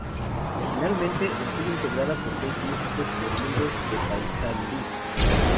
Originalmente, estuvo integrada por seis músicos oriundos de Paysandú.